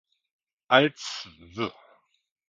Als 'W.